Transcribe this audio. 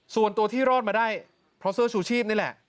ส่วนตัวที่รอดมาได้เพราะเสื้อชูชีพนี่แหละ